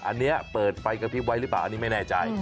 อันนี้เปิดไฟกระพริบไว้หรือเปล่าอันนี้ไม่แน่ใจ